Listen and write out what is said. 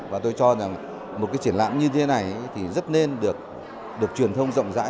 và tôi cho rằng một cái triển lãm như thế này thì rất nên được truyền thông rộng rãi